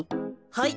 はい。